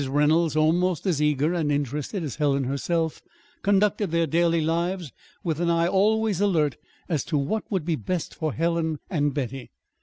Reynolds, almost as eager and interested as Helen herself, conducted their daily lives with an eye always alert as to what would be best for Helen and Betty.